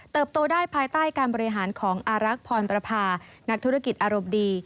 เติบโตได้ภายใต้การบริหารของอารักษ์พรพานักธุรกิจอรบดี